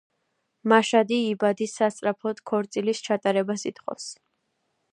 მაშადი იბადი სასწრაფოდ ქორწილის ჩატარებას ითხოვს.